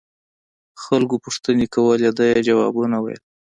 خلقو پوښتنې کولې ده يې ځوابونه ويل.